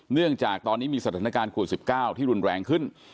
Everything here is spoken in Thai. เนื่องจากตอนนี้มีสถานการณ์โควิด๑๙ที่รุนแรงขึ้น